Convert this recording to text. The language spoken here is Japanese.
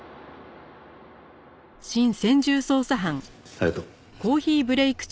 ありがとう。